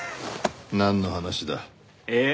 なんの話だ？えっ？